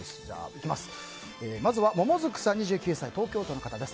まずは、２９歳、東京都の方です。